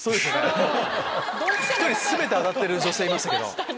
全て当たってる女性いましたけど。